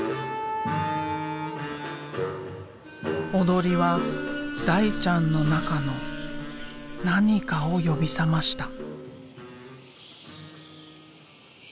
踊りは大ちゃんの中の何かを呼び覚ました。